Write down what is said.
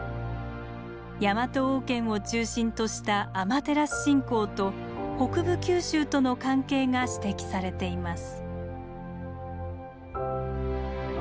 ヤマト王権を中心としたアマテラス信仰と北部九州との関係が指摘されています。